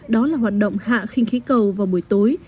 đó là hoạt động hạ khinh khí cầu vào buổi tối